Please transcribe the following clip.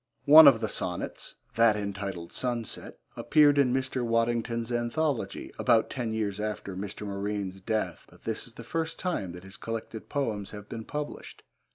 One of the sonnets, that entitled Sunset, appeared in Mr. Waddington's anthology, about ten years after Mr. Morine's death, but this is the first time that his collected poems have been published.